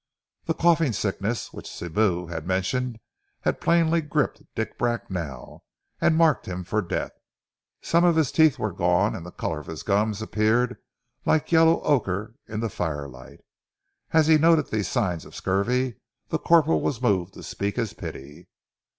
The "coughing sickness" which Sibou had mentioned had plainly gripped Dick Bracknell and marked him for death. Some of his teeth were gone and the colour of his gums appeared like yellow ochre in the firelight. As he noted these signs of scurvy, the corporal was moved to speak his pity.